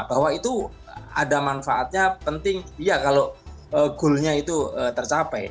bahwa itu ada manfaatnya penting ya kalau goalnya itu tercapai